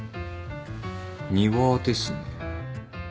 庭ですね。